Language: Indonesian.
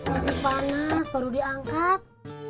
masih panas baru diangkat